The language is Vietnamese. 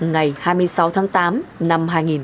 ngày hai mươi sáu tháng tám